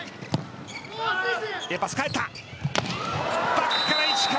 バックから石川。